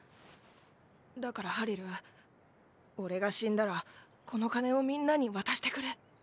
だからハリル俺が死んだらこの金をみんなに渡してくれ。